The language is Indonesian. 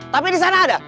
tapi disana ada